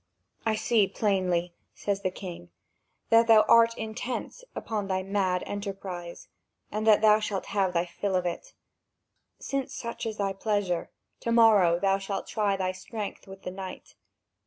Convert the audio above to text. "I see plainly," says the king, "that thou art intent upon thy mad enterprise, and thou shalt have thy fill of it. Since such is thy pleasure, to morrow thou shalt try thy strength with the knight."